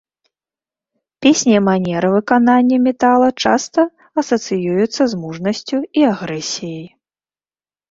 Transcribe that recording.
Песні і манера выканання метала часта асацыююцца з мужнасцю і агрэсіяй.